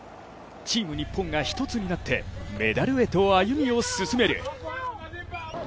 チーム日本が一つになってメダルへと歩みを進める。